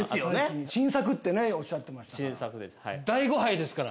新作ってねおっしゃってましたから。